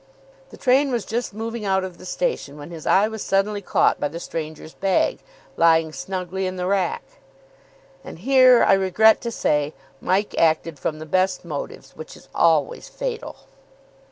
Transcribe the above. The train was just moving out of the station when his eye was suddenly caught by the stranger's bag, lying snugly in the rack. And here, I regret to say, Mike acted from the best motives, which is always fatal.